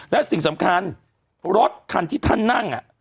และสิ่งสำคัญรถคันที่ท่านนั่ง